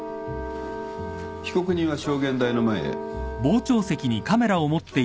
被告人は証言台の前へ。